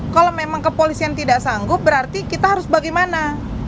kalau memang kepolisian tidak sanggup berarti kita harus bagaimana